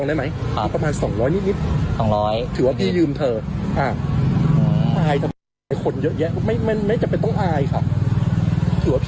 ได้แล้วค่ะเพราะรถตู้ต่อแม่งมามันหมดแล้ว